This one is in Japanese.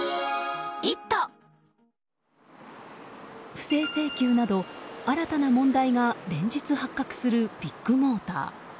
不正請求など新たな問題が連日発覚するビッグモーター。